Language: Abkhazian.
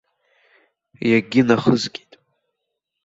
Иагьынахызгеит.